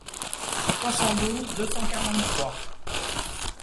trois cent douze deux cent quarante-trois.